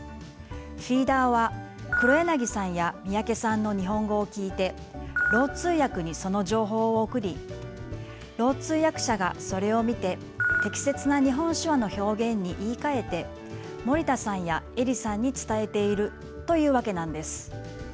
フィーダーは黒柳さんや三宅さんの日本語を聞いてろう通訳にその情報を送りろう通訳者がそれを見て適切な日本手話の表現に言いかえて森田さんや映里さんに伝えているというわけなんです。